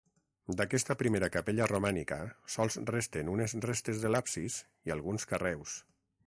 D'aquesta primera capella romànica sols resten unes restes de l'absis i alguns carreus.